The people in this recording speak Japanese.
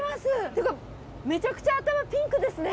てかめちゃくちゃ頭ピンクですね。